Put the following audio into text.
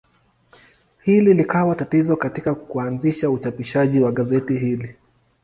Hili likawa tatizo katika kuanzisha uchapishaji wa gazeti hili.